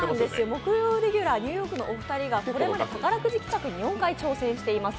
木曜レギュラーニューヨークのお二人がこれまで宝くじ企画４回調整しています。